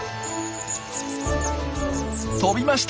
飛びました！